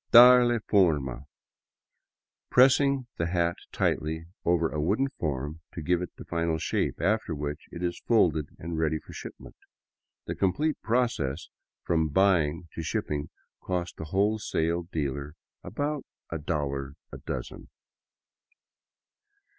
" Darle forma'' — pressing the hat tightly over a wooden form to give it the final shape, after which it is folded and ready for shipment. The complete process from buying to shipping costs the wholesale dealer about a dollar a dozen.